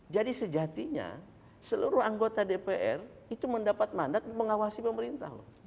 jadi sejatinya seluruh anggota dpr itu mendapat mandat mengawasi pemerintah